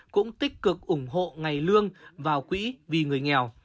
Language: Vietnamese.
cũng tích cực ủng hộ ngày lương vào quỹ vì người nghèo